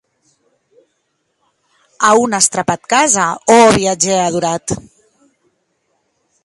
A on as trapat casa, ò viatgèr adorat?